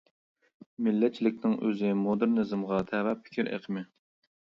مىللەتچىلىكنىڭ ئۆزى مودېرنىزمغا تەۋە پىكىر ئېقىمى.